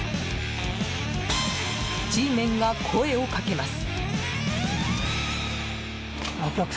Ｇメンが声を掛けます。